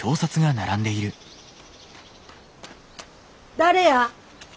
誰や？